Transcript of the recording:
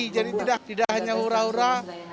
jadi tidak hanya ura ura